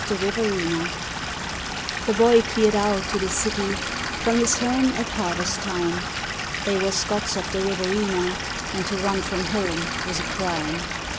9 Autoplay The boy cleared out to the city from his home at harvest time They were Scots of the Riverina, and to run from home was a crime.